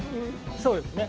そうですね。